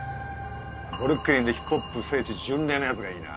ブルックリンでヒップホップ聖地巡礼のやつがいいな。